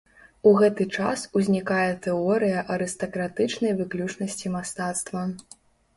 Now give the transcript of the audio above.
У гэты час узнікае тэорыя арыстакратычнай выключнасці мастацтва.